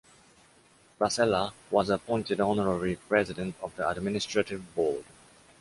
Vasella was appointed honorary president of the administrative board.